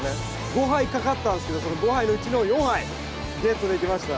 ５杯掛かったんですけど５杯のうちの４杯ゲットできました。